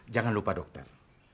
jangan lupa dokter